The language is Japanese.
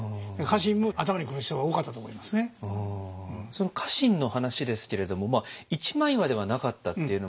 その家臣の話ですけれども一枚岩ではなかったっていうのも。